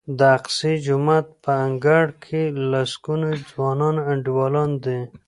د اقصی جومات په انګړ کې لسګونه ځوانان انډیوالان دي.